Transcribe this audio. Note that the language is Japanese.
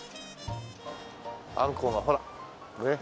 あんこうがほらねっ。